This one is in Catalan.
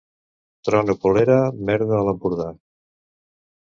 Trona culera, merda a l'Empordà.